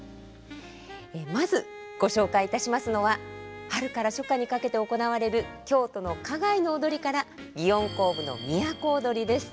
まずご紹介いたしますのは春から初夏にかけて行われる京都の花街の踊りから祇園甲部の「都をどり」です。